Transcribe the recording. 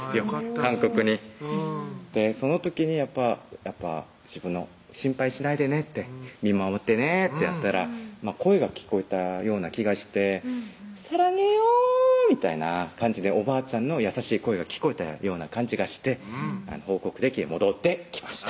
韓国にその時にやっぱ「心配しないでね」って「見守ってね」ってやったら声が聞こえたような気がして「サランヘヨー」みたいな感じでおばあちゃんの優しい声が聞こえたような感じがして報告できて戻ってきました